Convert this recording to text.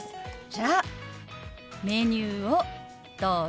じゃあメニューをどうぞ。